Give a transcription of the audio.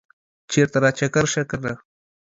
چرته راچکر شه کنه